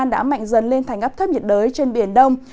đã mạnh dần lên thành áp thấp nhiệt đới trên biển đông